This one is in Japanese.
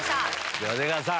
では出川さん。